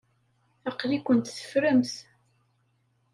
Aql-ikent teffremt.